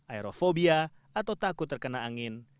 aerofobia atau takut terkena angin